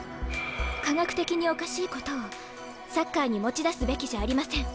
科学的におかしいことをサッカーに持ち出すべきじゃありません。